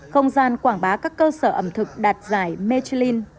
không gian quảng bá các cơ sở ẩm thực đạt giải metcholin